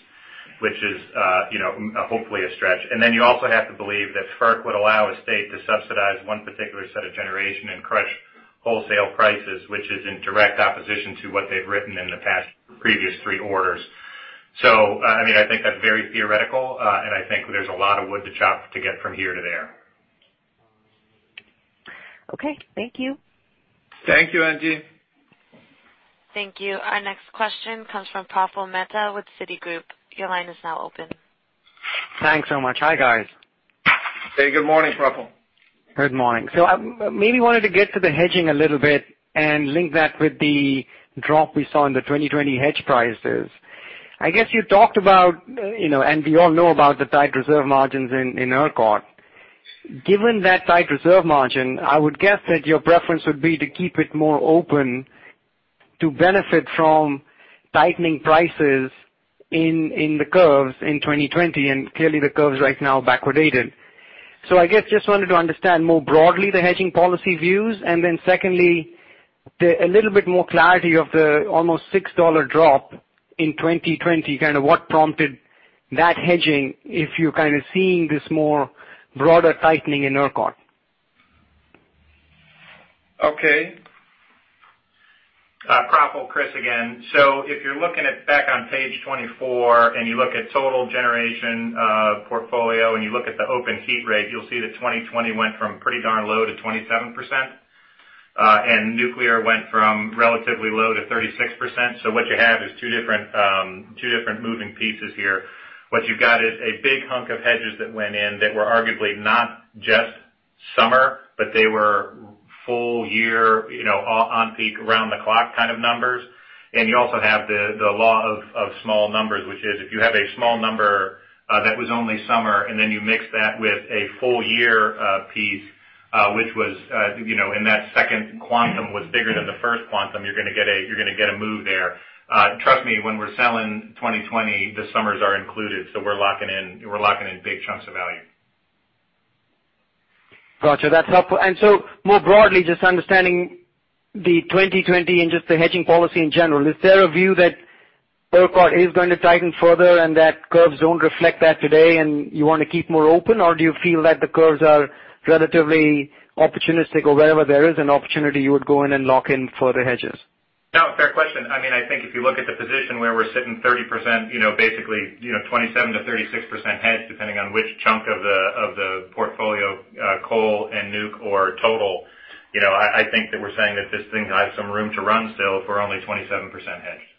hopefully a stretch. You also have to believe that FERC would allow a state to subsidize one particular set of generation and crush wholesale prices, which is in direct opposition to what they've written in the past previous three orders. I think that's very theoretical, and I think there's a lot of wood to chop to get from here to there. Okay. Thank you. Thank you, Angie. Thank you. Our next question comes from Praful Mehta with Citigroup. Your line is now open. Thanks so much. Hi, guys. Hey, good morning, Praful. Good morning. I mainly wanted to get to the hedging a little bit and link that with the drop we saw in the 2020 hedge prices. I guess you talked about, and we all know about the tight reserve margins in ERCOT. Given that tight reserve margin, I would guess that your preference would be to keep it more open to benefit from tightening prices in the curves in 2020, and clearly the curves right now are backwardated. I guess just wanted to understand more broadly the hedging policy views, and then secondly, a little bit more clarity of the almost $6 drop in 2020, kind of what prompted that hedging if you're kind of seeing this more broader tightening in ERCOT. Okay. Praful, Chris again. If you're looking at back on page 24, and you look at total generation portfolio, and you look at the open heat rate, you'll see that 2020 went from pretty darn low to 27%, and nuclear went from relatively low to 36%. What you have is two different moving pieces here. What you've got is a big hunk of hedges that went in that were arguably not just summer, but they were full year, on-peak, around the clock kind of numbers. You also have the law of small numbers, which is, if you have a small number that was only summer, and then you mix that with a full year piece, which was in that second quantum was bigger than the first quantum, you're gonna get a move there. Trust me, when we're selling 2020, the summers are included, so we're locking in big chunks of value. Got you. That's helpful. More broadly, just understanding the 2020 and just the hedging policy in general, is there a view that ERCOT is going to tighten further and that curves don't reflect that today and you want to keep more open? Or do you feel that the curves are relatively opportunistic or wherever there is an opportunity, you would go in and lock in further hedges? No, fair question. I think if you look at the position where we're sitting 30%, basically, 27%-36% hedge, depending on which chunk of the portfolio, coal and nuc or total, I think that we're saying that this thing has some room to run still if we're only 27% hedged.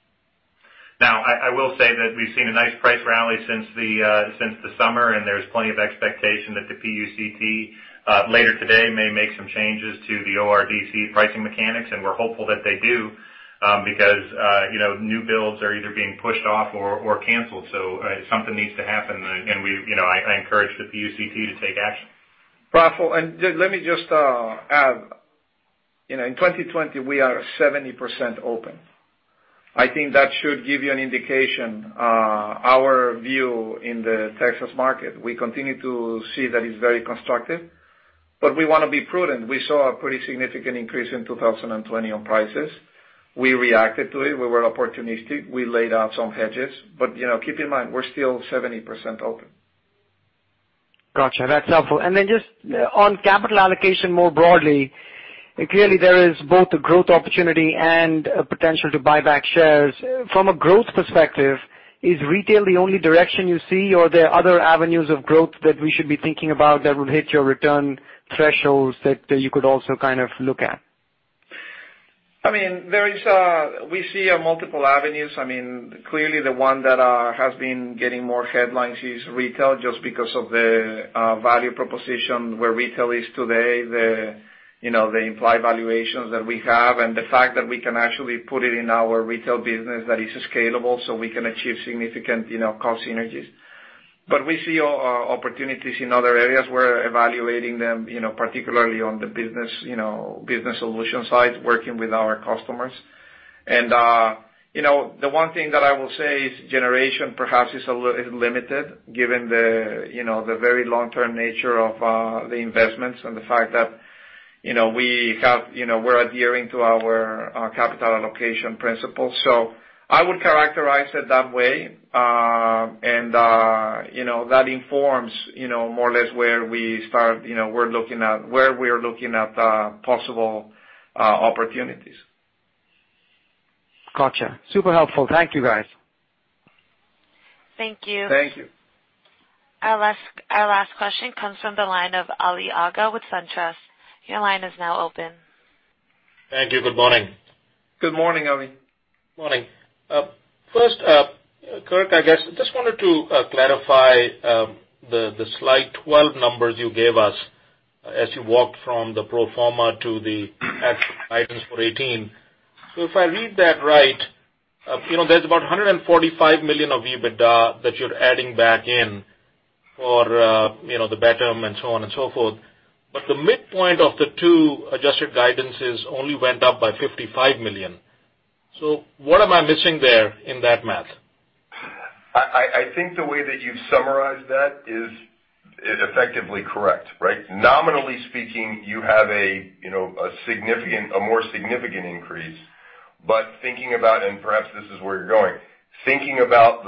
I will say that we've seen a nice price rally since the summer, and there's plenty of expectation that the PUCT later today may make some changes to the ORDC pricing mechanics, and we're hopeful that they do, because new builds are either being pushed off or canceled. Something needs to happen, and I encourage the PUCT to take action. Praful, let me just add, in 2020, we are 70% open. I think that should give you an indication. Our view in the Texas market, we continue to see that it's very constructive, but we want to be prudent. We saw a pretty significant increase in 2020 on prices. We reacted to it. We were opportunistic. We laid out some hedges. Keep in mind, we're still 70% open. Got you. That's helpful. Then just on capital allocation more broadly, clearly there is both a growth opportunity and a potential to buy back shares. From a growth perspective, is retail the only direction you see, or are there other avenues of growth that we should be thinking about that would hit your return thresholds that you could also kind of look at? We see multiple avenues. Clearly, the one that has been getting more headlines is retail, just because of the value proposition where retail is today, the implied valuations that we have, and the fact that we can actually put it in our retail business that is scalable so we can achieve significant cost synergies. We see opportunities in other areas. We're evaluating them, particularly on the business solution side, working with our customers. The one thing that I will say is generation perhaps is limited given the very long-term nature of the investments and the fact that we're adhering to our capital allocation principles. I would characterize it that way, and that informs more or less where we are looking at possible opportunities. Got you. Super helpful. Thank you, guys. Thank you. Thank you. Our last question comes from the line of Ali Agha with SunTrust. Your line is now open. Thank you. Good morning. Good morning, Ali. Morning. First, Kirk, I guess, just wanted to clarify the slide 12 numbers you gave us as you walked from the pro forma to the actual items for 2018. If I read that right, there's about $145 million of EBITDA that you're adding back in for the BETM and so on and so forth. The midpoint of the two adjusted guidances only went up by $55 million. What am I missing there in that math? I think the way that you've summarized that is effectively correct, right? Nominally speaking, you have a more significant increase. Thinking about, and perhaps this is where you're going, thinking about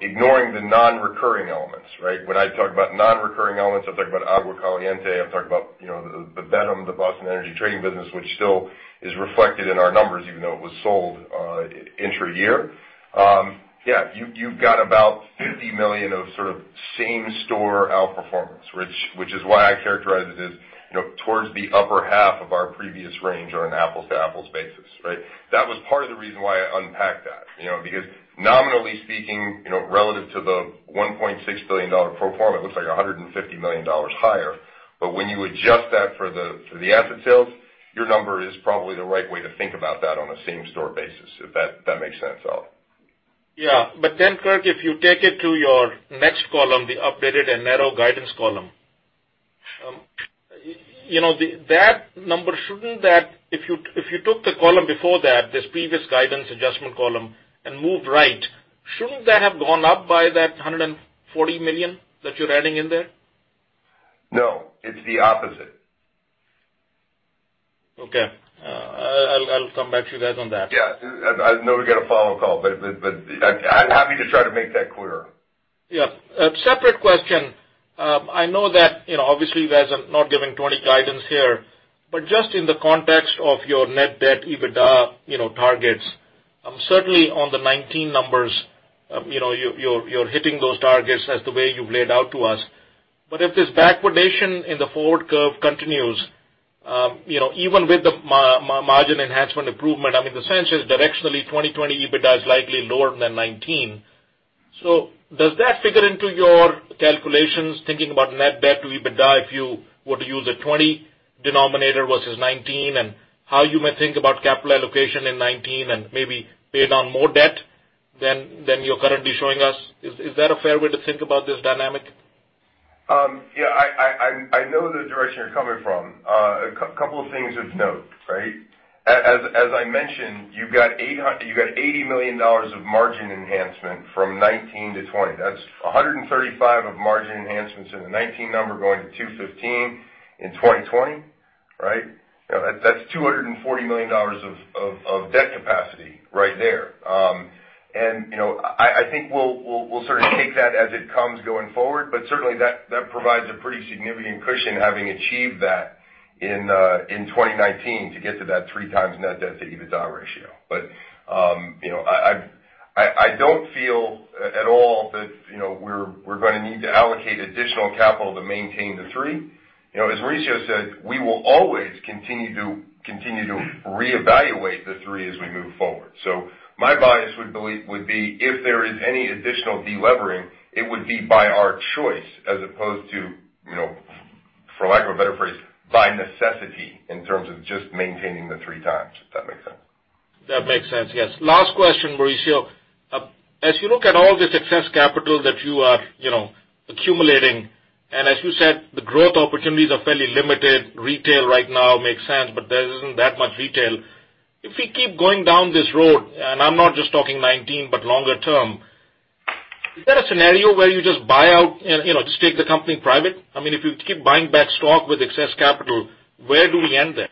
ignoring the non-recurring elements, right? When I talk about non-recurring elements, I'm talking about Agua Caliente, I'm talking about the BETM, the Boston Energy trading business, which still is reflected in our numbers even though it was sold intra-year. Yeah, you've got about $50 million of sort of same store outperformance, which is why I characterize it as towards the upper half of our previous range on an apples-to-apples basis, right? That was part of the reason why I unpacked that. Because nominally speaking, relative to the $1.6 billion pro forma, it looks like $150 million higher. When you adjust that for the asset sales Your number is probably the right way to think about that on a same-store basis, if that makes sense. Kirk, if you take it to your next column, the updated and narrow guidance column, that number, if you took the column before that, this previous guidance adjustment column, and moved right, shouldn't that have gone up by that $140 million that you're adding in there? No, it's the opposite. Okay. I'll come back to you guys on that. Yeah. I know we got a follow call, I'm happy to try to make that clearer. Yeah. A separate question. I know that, obviously, you guys are not giving 2020 guidance here, but just in the context of your net debt EBITDA targets, certainly on the 2019 numbers, you're hitting those targets as the way you've laid out to us. If this backwardation in the forward curve continues, even with the margin enhancement improvement, I mean, the sense is directionally 2020 EBITDA is likely lower than 2019. Does that figure into your calculations, thinking about net debt to EBITDA if you were to use a 2020 denominator versus 2019, and how you may think about capital allocation in 2019 and maybe pay down more debt than you're currently showing us? Is that a fair way to think about this dynamic? Yeah, I know the direction you're coming from. A couple of things of note, right? As I mentioned, you got $80 million of margin enhancement from 2019 to 2020. That's $135 of margin enhancements in the 2019 number going to $215 in 2020, right? That's $240 million of debt capacity right there. I think we'll sort of take that as it comes going forward, but certainly that provides a pretty significant cushion, having achieved that in 2019 to get to that 3x net debt to EBITDA ratio. I don't feel at all that we're going to need to allocate additional capital to maintain the three. As Mauricio said, we will always continue to reevaluate the three as we move forward. My bias would be, if there is any additional de-levering, it would be by our choice as opposed to, for lack of a better phrase, by necessity in terms of just maintaining the 3x, if that makes sense. That makes sense, yes. Last question, Mauricio. As you look at all this excess capital that you are accumulating, as you said, the growth opportunities are fairly limited. Retail right now makes sense, but there isn't that much retail. If we keep going down this road, and I'm not just talking 2019, but longer term, is there a scenario where you just buy out and just take the company private? I mean, if you keep buying back stock with excess capital, where do we end then?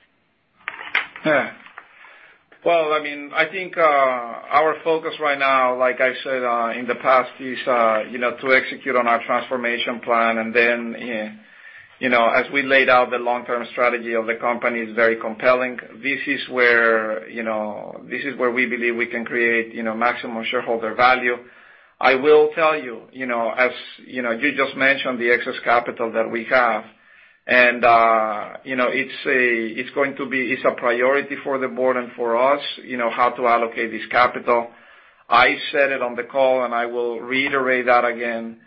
I think our focus right now, like I said in the past, is to execute on our transformation plan. As we laid out, the long-term strategy of the company is very compelling. This is where we believe we can create maximum shareholder value. I will tell you, as you just mentioned, the excess capital that we have, and it's a priority for the board and for us, how to allocate this capital. I said it on the call, and I will reiterate that again.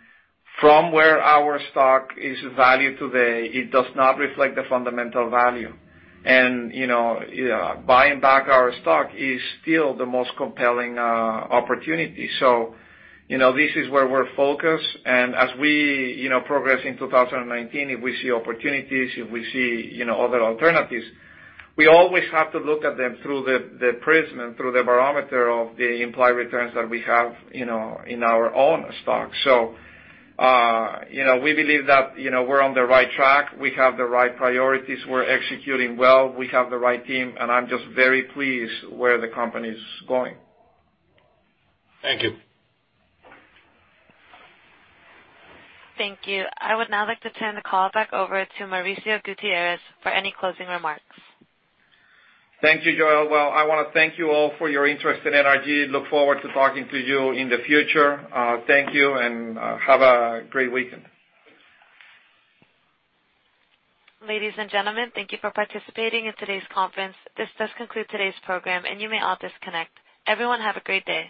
From where our stock is valued today, it does not reflect the fundamental value. Buying back our stock is still the most compelling opportunity. This is where we're focused, and as we progress in 2019, if we see opportunities, if we see other alternatives, we always have to look at them through the prism and through the barometer of the implied returns that we have in our own stock. We believe that we're on the right track. We have the right priorities. We're executing well. We have the right team, and I'm just very pleased where the company's going. Thank you. Thank you. I would now like to turn the call back over to Mauricio Gutierrez for any closing remarks. Thank you, Joelle. Well, I want to thank you all for your interest in NRG. Look forward to talking to you in the future. Thank you, and have a great weekend. Ladies and gentlemen, thank you for participating in today's conference. This does conclude today's program, and you may all disconnect. Everyone have a great day.